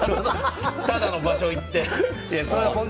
ただの場所に行って。